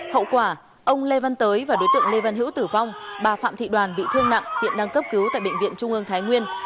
hậu quả ông lê văn tới và đối tượng lê văn hữu tử vong bà phạm thị đoàn bị thương nặng hiện đang cấp cứu tại bệnh viện trung ương thái nguyên